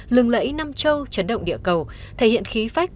lừng lẫy năm châu chấn động địa cầu thể hiện khí phách